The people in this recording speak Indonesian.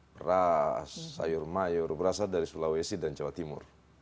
beras sayur mayur berasal dari sulawesi dan jawa timur